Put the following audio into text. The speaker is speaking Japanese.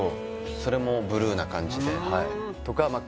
それもブルーな感じではいとかまあ